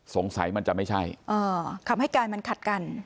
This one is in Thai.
สงสัยมันจะไม่ใช่อ่อคำให้การมันขัดกัน